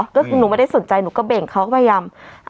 ก็คือหนูไม่ได้สนใจหนูก็เบ่งเขาก็พยายาม